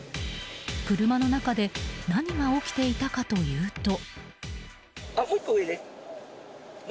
車の中で何が起きていたかというと。